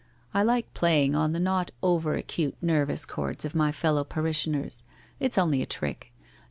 I like playing on the not over acute nervous chords of my fellow parishioners. It's only a trick.